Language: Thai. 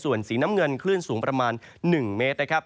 ส่วนสีน้ำเงินคลื่นสูงประมาณ๑เมตรนะครับ